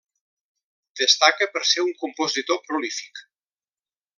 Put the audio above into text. Destaca per ser un compositor prolífic.